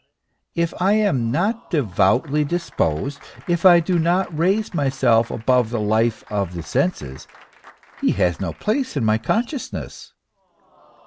If I am not devoutly dis posed, if I do not raise myself above the life of the senses, he has no place in my consciousness.